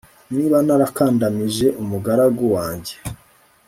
niba narakandamije umugaragu wanjye